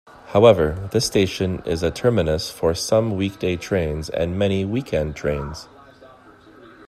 However, this station is a terminus for some weekday trains and many weekend trains.